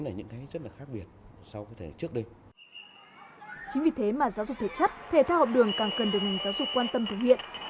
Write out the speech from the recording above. chính vì thế mà giáo dục thể chất thể thao học đường càng cần được ngành giáo dục quan tâm thực hiện